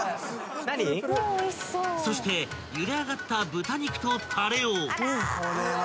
［そしてゆで上がった豚肉とたれを］